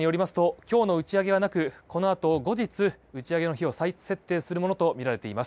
今日の打ち上げはなくこのあと後日、打ち上げの日を再設定するものとみられています。